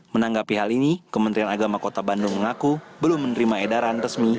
menanggapi hal ini kementerian agama kota bandung mengaku belum menerima edaran resmi